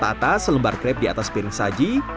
tata selembar krip di atas piring saji